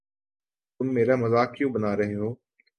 تم میرا مزاق کیوں بنا رہے ہو؟